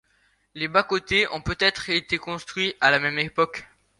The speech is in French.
Les bas-côtés ont peut-être été construits à la même époque.